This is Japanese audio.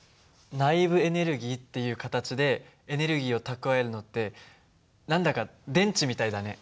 内部エネルギーっていう形でエネルギーを蓄えるのって何だか電池みたいだね。